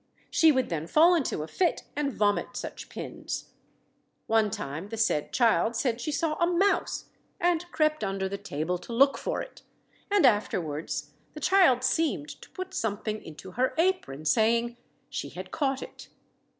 She would then fall into a fit, and vomit such pins. One time the said child said she saw a mouse, and crept under the table to look for it; and afterwards, the child seemed to put something into her apron, saying, 'She had caught it.'